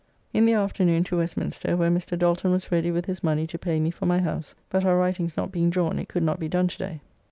In the afternoon to Westminster, where Mr. Dalton was ready with his money to pay me for my house, but our writings not being drawn it could not be done to day.